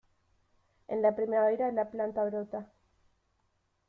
En la primavera la planta brota.